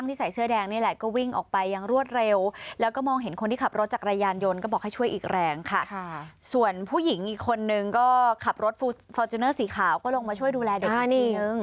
ทัพเตอร์สีขาวก็ลงมาช่วยดูแลเด็กหนึ่ง